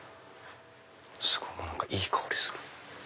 すごいいい香りする。